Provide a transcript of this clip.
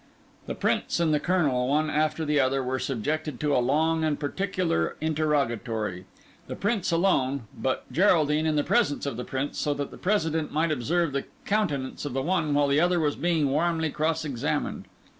The Prince and the Colonel, one after the other, were subjected to a long and particular interrogatory: the Prince alone; but Geraldine in the presence of the Prince, so that the President might observe the countenance of the one while the other was being warmly cross examined.